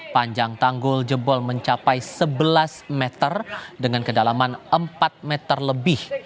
panjang tanggul jebol mencapai sebelas meter dengan kedalaman empat meter lebih